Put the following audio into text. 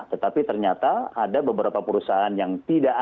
tetapi ternyata ada beberapa perusahaan yang bisa dibuka